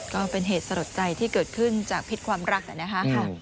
ก็เป็นเหตุสลดใจที่เกิดขึ้นจากพิษความรักนะคะ